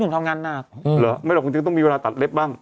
มันก็ต้องมีเวลาตัดเล็บบ้าง